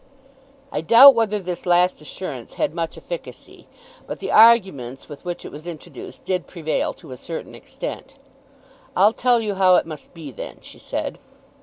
I doubt whether this last assurance had much efficacy. But the arguments with which it was introduced did prevail to a certain extent. "I'll tell you how it must be then," she said.